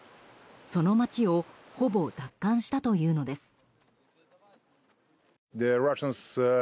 その街をほぼ奪還したというのです。